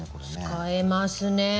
使えますね。